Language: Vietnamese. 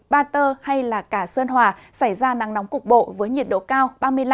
ba tơ hay cả sơn hòa xảy ra nắng nóng cục bộ với nhiệt độ cao